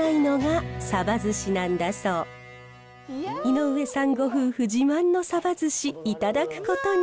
井上さんご夫婦自慢のサバ寿司いただくことに。